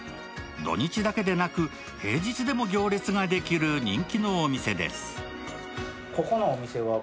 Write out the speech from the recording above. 土日だけでなく、平日でも行列ができる人気のお店です。